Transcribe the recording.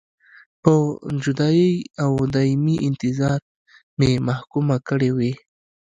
په جدایۍ او دایمي انتظار مې محکومه کړې وې.